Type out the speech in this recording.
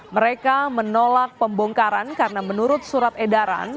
mereka menolak pembongkaran karena menurut surat edaran